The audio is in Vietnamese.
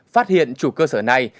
phát hiện chủ cơ sở này